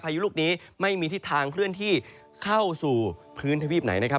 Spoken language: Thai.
ยุลูกนี้ไม่มีทิศทางเคลื่อนที่เข้าสู่พื้นทวีปไหนนะครับ